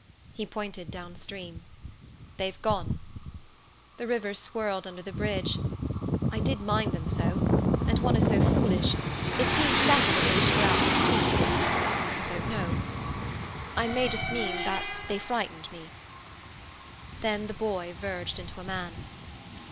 He pointed down stream. "They've gone." The river swirled under the bridge, "I did mind them so, and one is so foolish, it seemed better that they should go out to the sea—I don't know; I may just mean that they frightened me." Then the boy verged into a man.